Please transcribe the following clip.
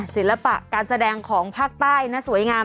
ศิลปะการแสดงของภาคใต้นะสวยงาม